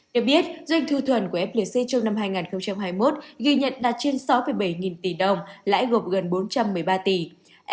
được biết doanh thu thuần của flc trong năm hai nghìn hai mươi một ghi nhận đạt trên sáu bảy nghìn tỷ đồng lãi gộp gần bốn trăm một mươi ba tỷ